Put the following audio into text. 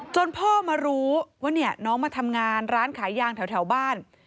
พ่อมารู้ว่าน้องมาทำงานร้านขายยางแถวบ้าน